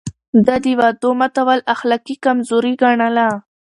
ده د وعدو ماتول اخلاقي کمزوري ګڼله.